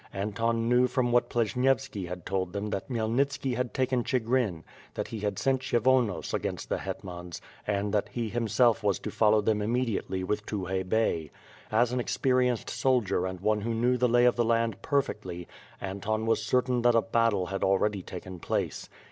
Anton knew from what Pleshnyevski had told them that Khmyelnitski had taken Chigrin; that he had sent Kshyvonos against the hetmans; and that he himself was to follow them immediately with Tukhay Bey. As an experienced soldier and one who knew the lay of the land perfectly, Anton was certain that a battle had already taken place.